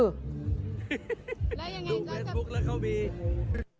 ดูเฟซบุ๊กแล้วเค้ามี